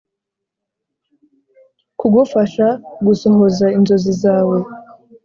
kugufasha gusohoza inzozi zawe.